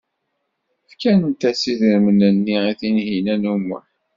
Fkant-as idrimen-nni i Tinhinan u Muḥ.